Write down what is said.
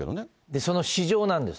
その市場なんです。